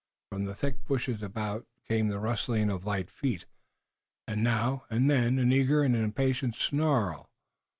From the thick bushes about came the rustling of light feet, and now and then an eager and impatient snarl.